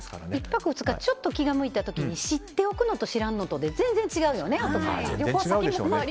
１泊２日ちょっと気が向いた時に知っておくのと知らんのとでは全然違うよね。